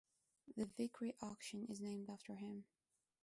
The Vickrey auction is named after him.